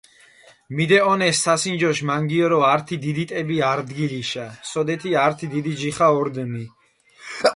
მიდეჸონეს სასინჯოშ მანგიორო ართი დიდი ტები არდგილიშა, სოდეთი ართი დიდი ჯიხა ორდჷნი.